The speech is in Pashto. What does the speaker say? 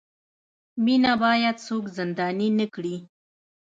مینه باید څوک زنداني نه کړي.